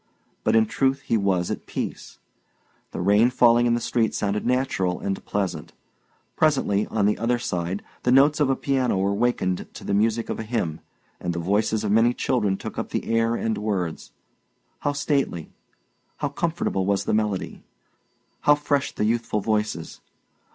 But in truth he was at peace. The rain falling in the street sounded natural and pleasant. Presently, on the other side, the notes of a piano were wakened to the music of a hymn, and the voices of many children took up the air and words. How stately, how comfortable was the melody! How fresh the youthful voices!